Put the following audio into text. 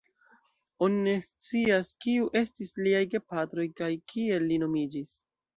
Oni ne scias kiu estis liaj gepatroj kaj kiel li nomiĝis.